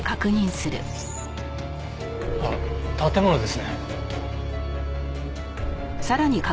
あっ建物ですね。